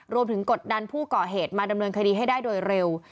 กดดันผู้ก่อเหตุมาดำเนินคดีให้ได้โดยเร็ว